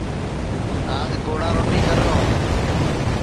آج گوڑا روٹی کرو